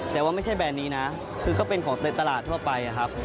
แต่ว่าไม่ใช่แบรนด์นี้นะคือก็เป็นของในตลาดทั่วไปครับ